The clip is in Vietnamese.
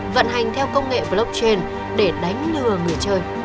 vận hành theo công nghệ blockchain để đánh lừa người chơi